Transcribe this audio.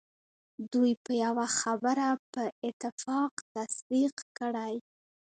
دوی به یوه خبره په اتفاق تصدیق کړي.